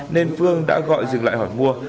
nên phương đã gọi dừng lại hỏi mua